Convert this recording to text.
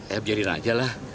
eh biarin aja lah